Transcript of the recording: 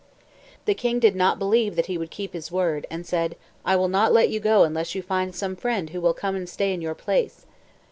The king did not believe that he would keep his word, and said: "I will not let you go unless you find some friend who will come and stay in your place.